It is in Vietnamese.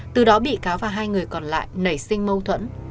từ đó bị cáo và hai người còn lại nảy sinh mâu thuẫn